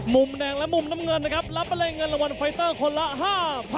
มุมแดงและมุมน้ำเงินนะครับ